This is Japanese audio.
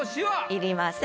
いりません。